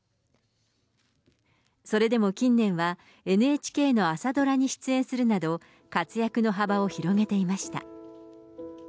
それでも近年は、ＮＨＫの朝ドラに出演するなど、活躍の幅を広げていました。